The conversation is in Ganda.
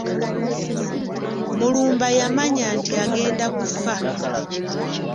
Mulumba yamanya nti agenda kufa.